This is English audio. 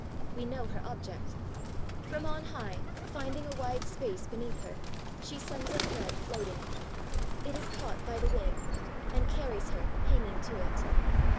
We know her object. From on high, finding a wide space beneath her, she sends a thread floating. It is caught by the wind, and carries her hanging to it.